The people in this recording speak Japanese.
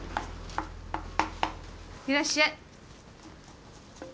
いらっしゃい。